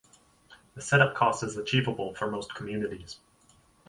The setup cost is achievable for most communities.